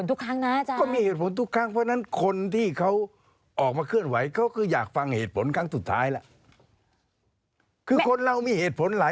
ึ่งคนที่เคลื่อนไหวก็รู้แหละ